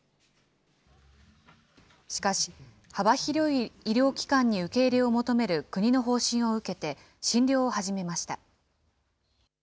しかし、幅広い医療機関に受け入れを求める国の方針を受けて、診療を始めました。